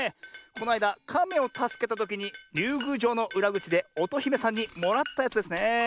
このあいだかめをたすけたときにりゅうぐうじょうのうらぐちでおとひめさんにもらったやつですねえ。